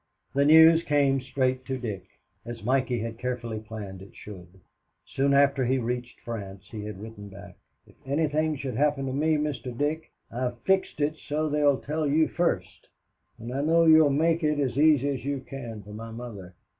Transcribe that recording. The news came straight to Dick, as Mikey had carefully planned it should. Soon after he reached France he had written back, "If anything should happen to me, Mr. Dick, I've fixed it so they'd tell you first, and I know you'll make it as easy as you can for my mother.